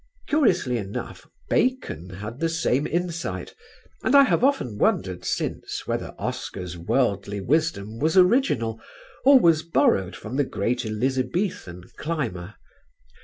Curiously enough Bacon had the same insight, and I have often wondered since whether Oscar's worldly wisdom was original or was borrowed from the great Elizabethan climber.